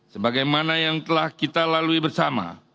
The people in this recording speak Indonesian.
sebagaimana yang telah kita lalui bersama